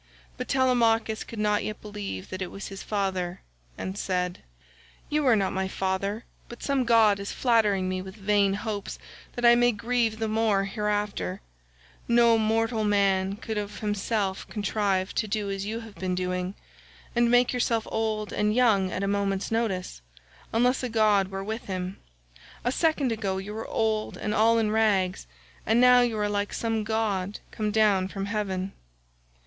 But Telemachus could not yet believe that it was his father, and said: "You are not my father, but some god is flattering me with vain hopes that I may grieve the more hereafter; no mortal man could of himself contrive to do as you have been doing, and make yourself old and young at a moment's notice, unless a god were with him. A second ago you were old and all in rags, and now you are like some god come down from heaven."